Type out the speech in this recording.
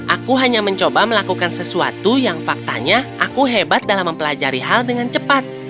aku hanya mencoba melakukan sesuatu yang faktanya aku hebat dalam mempelajari hal dengan cepat